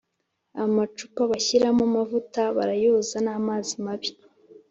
Amacupa bashyiramo amavuta barayoza n amazi mabi